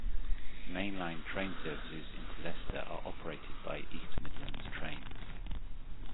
Main line train services into Leicester are operated by East Midlands Trains.